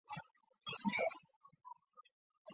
陕西乡试第十名。